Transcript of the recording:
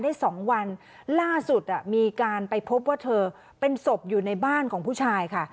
ได้สองวันล่าสุดมีการไปพบว่าเธอเป็นศพอยู่ในบ้านของผู้ชายค่ะ